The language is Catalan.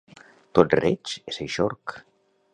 Tot reig és eixorc.